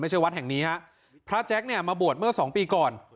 วัดแห่งนี้ฮะพระแจ๊คเนี่ยมาบวชเมื่อสองปีก่อน